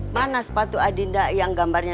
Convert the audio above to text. mana sepatu adinda yang gambarnya